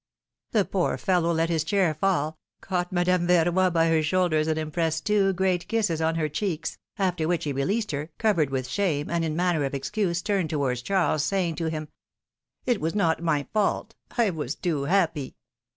The poor fellow let his chair fall, caught Madame Ver roy by her shoulders and impressed two great kisses on her cheeks, after which he released her, covered with shame, and in manner of excuse, turned towards Charles, saying to him : It was not my fault ; I was too happy."